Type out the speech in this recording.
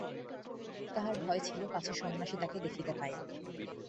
তাহার ভয় ছিল পাছে সন্ন্যাসী তাহাকে দেখিতে পায়।